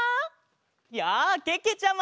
やあけけちゃま！